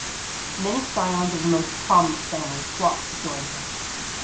Many scions of the most prominent families flocked to join him.